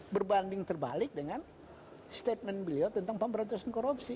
berbanding terbalik dengan statement beliau tentang pemberantasan korupsi